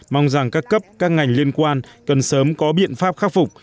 mong rằng các cấp các ngành liên quan cần sớm có biện pháp khắc phục